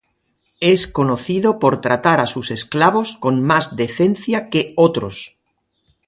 Es conocido por tratar a sus esclavos con más decencia que otros.